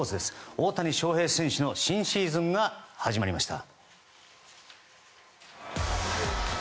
大谷翔平選手の新シーズンが始まりました。